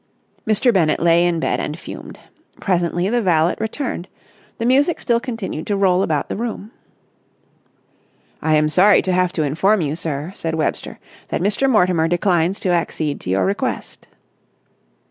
Mr. Bennett lay in bed and fumed. Presently the valet returned. The music still continued to roll about the room. "I am sorry to have to inform you, sir," said Webster, "that Mr. Mortimer declines to accede to your request."